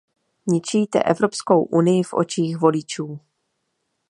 Ničíte Evropskou unii v očích voličů.